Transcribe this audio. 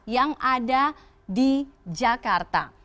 yang ada di jakarta